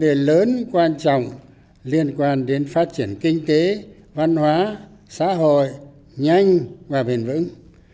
các vấn đề lớn quan trọng liên quan đến phát triển kinh tế văn hóa xã hội nhanh và bền vững